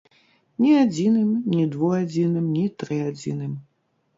Ні адзіным, ні двуадзіным, ні трыадзіным!